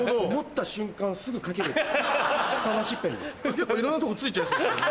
結構いろんなとこ付いちゃいそうですけど。